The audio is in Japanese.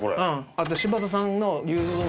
あと柴田さんの。